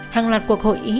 hàng loạt cuộc hội ý